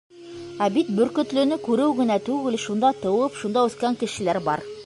Ә бит Бөркөтлөнө күреү генә түгел, шунда тыуып, шунда үҫкән кешеләр бар.